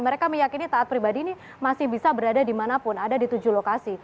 mereka meyakini tat pribadi ini masih bisa berada di mana pun ada di tujuh lokasi